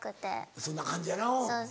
そんな感じやなうん。